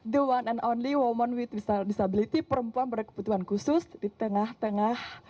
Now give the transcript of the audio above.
the one and only women with disability perempuan berkebutuhan khusus di tengah tengah